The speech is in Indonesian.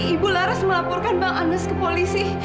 ibu laras melaporkan bang anas ke polisi